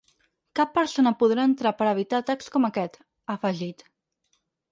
Cap persona podrà entrar per evitar atacs com aquest, ha afegit.